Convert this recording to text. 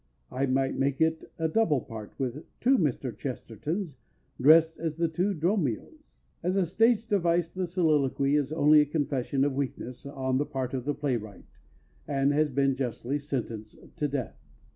I might make it a double part with two Mr. Chestertons dressed as the two Dromios. As a stage device the soliloquy is only a confession of weakness on the part of the playwright, and has been justly sentenced to death.